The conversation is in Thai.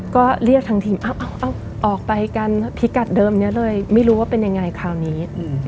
ก็เรียกทางทีมออกไปกันพิกัดเดิมนี้เลยไม่รู้ว่าเป็นยังไงคราวนี้